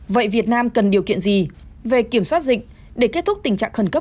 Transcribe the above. vậy việt nam cần điều kiện gì về kiểm soát dịch để kết thúc tình trạng khẩn cấp